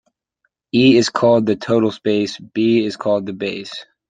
"E" is called the total space, "B" is called the base.